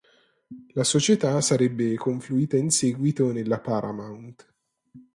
La società sarebbe confluita in seguito nella Paramount.